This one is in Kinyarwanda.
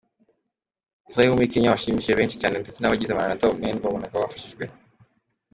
Israël wo muri Kenya washimishije benshi cyane ndetse n’abagize Maranatha Men wabonaga bafashijwe.